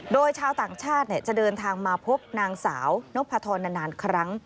โดยชาวต่างชาติจะเดินทางมาพบนางสาวนพธรนานครั้ง